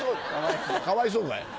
かわいそうかい？